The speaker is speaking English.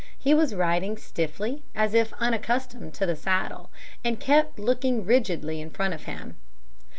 He was riding stiffly, as if unaccustomed to the saddle, and kept looking rigidly in front of him.